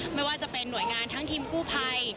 ที่จะเป็นหน่วยงานทั้งห้องทิมกู้ภัย